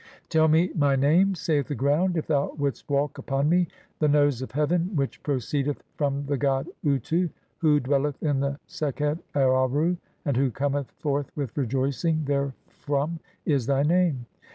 "Tell me my name," saith the Ground, "if thou wouldst walk "upon me"; "The Nose of heaven which proceedeth from the "god Utu, (3o) who dwelleth in the Sekhet Aaru, and who cometh "forth with rejoicing therefrom," is thy name.